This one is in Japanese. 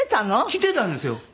来てたんですよ。